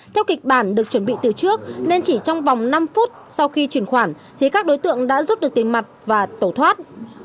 theo kịch bản được chuẩn bị từ trước nên chỉ trong vòng năm phút sau khi chuyển khoản thì các đối tượng đã rút được tiền mặt và tổ thoát